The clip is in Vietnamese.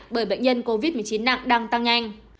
bởi bệnh nhân covid một mươi chín nặng đang tăng nhanh